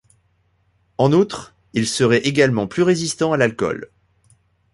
En outre, ils seraient également plus résistants à l'alcool.